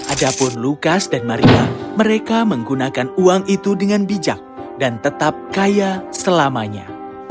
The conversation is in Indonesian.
adapun lukas dan maria mereka menggunakan uang itu dengan bijak dan tetap kaya selamanya